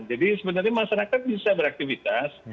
jadi sebenarnya masyarakat bisa beraktivitas